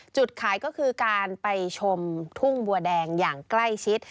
จุดขายก็คือการไปชมทุ่งบัวแดงอย่างใกล้ชิด